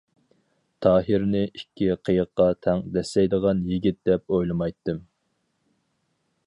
تاھىرنى ئىككى قىيىققا تەڭ دەسسەيدىغان يىگىت دەپ ئويلىمايتتىم.